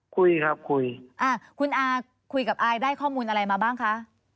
คุยครับคุยอ่าคุณอาคุยกับอายได้ข้อมูลอะไรมาบ้างคะ